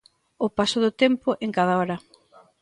O paso do tempo en cada hora.